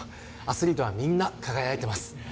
アスリートはみんな輝いてます